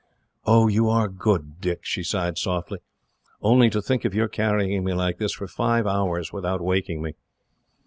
"Oh, you are good, Dick!" she sighed softly. "Only to think of your carrying me like this, for five hours, without waking me!"